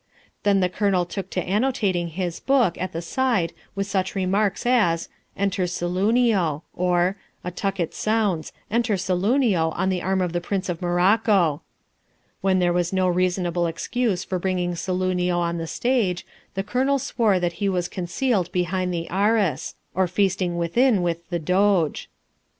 Then the Colonel took to annotating his book at the side with such remarks as, "Enter Saloonio," or "A tucket sounds; enter Saloonio, on the arm of the Prince of Morocco." When there was no reasonable excuse for bringing Saloonio on the stage the Colonel swore that he was concealed behind the arras, or feasting within with the doge.